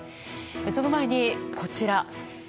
その前に、こちら。